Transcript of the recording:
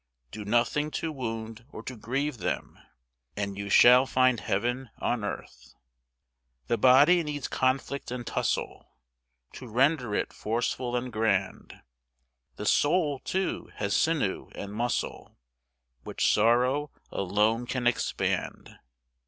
Do nothing to wound or to grieve them, And you shall find heaven on earth. The body needs conflict and tussle, To render it forceful and grand; The soul, too, has sinew and muscle, Which sorrow alone can expand.